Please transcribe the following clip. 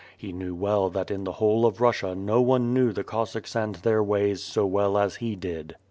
He knew well that in. the whole of Russia no one knew the Cossacks and their ways so well as he did.